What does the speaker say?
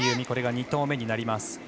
これが２投目になります。